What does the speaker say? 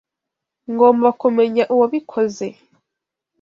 Ngomba kumenya uwabikoze.